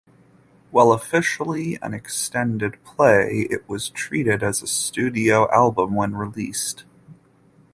While officially an extended play, it was treated as a studio album when released.